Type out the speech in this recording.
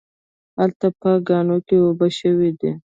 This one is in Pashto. هلته په کاڼو کې اوبه شوي دي